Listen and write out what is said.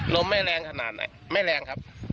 ลมไม่แรงขนาดไหนไม่แรงครับ